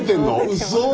うそ！